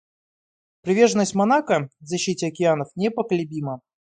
Приверженность Монако защите океанов непоколебима.